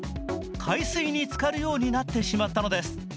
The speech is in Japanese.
海水につかるようになってしまったのです。